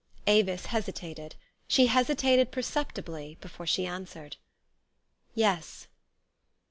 Avis hesitated : she hesitated perceptibly before she answered. "Yes."